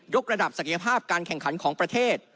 กระดับศักยภาพการแข่งขันของประเทศ